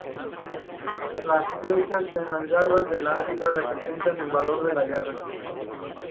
Las flechas en las garras del águila representan el valor en la guerra.